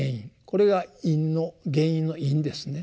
これが因の原因の因ですね。